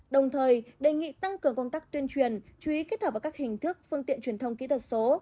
đồng thời đề nghị tăng cường công tác tuyên truyền chú ý kết hợp vào các hình thức phương tiện truyền thông kỹ thuật số